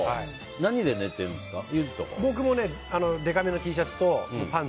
何で寝てるんですか？